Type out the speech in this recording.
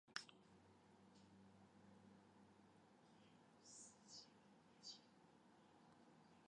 于是两对新人双双在沃尔姆斯完婚。